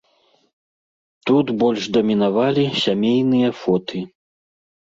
Тут больш дамінавалі сямейныя фоты.